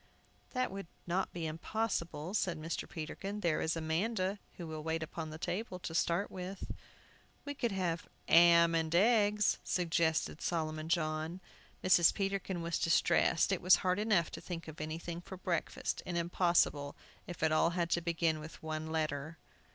"That would not be impossible," said Mr. Peterkin. "There is Amanda, who will wait on table, to start with " "We could have 'am and eggs," suggested Solomon John Mrs. Peterkin was distressed. It was hard enough to think of anything for breakfast, and impossible, if it all had to begin with one letter.